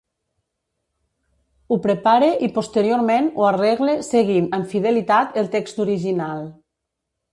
Ho prepare i posteriorment ho arregle seguint amb fidelitat el text original.